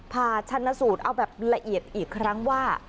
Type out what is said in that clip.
ชันสูตรเอาแบบละเอียดอีกครั้งว่า